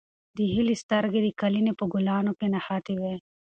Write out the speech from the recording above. د هیلې سترګې د قالینې په ګلانو کې نښتې وې.